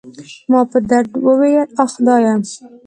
ما په درد وویل: اخ، خدایه.